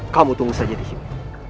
kamu tunggu saja di sini